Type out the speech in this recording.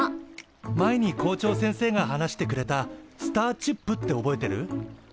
前に校長先生が話してくれたスターチップって覚えてる？